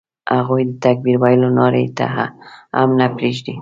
هغوی د تکبیر ویلو نارې ته هم نه پرېږدي.